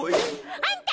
あんた！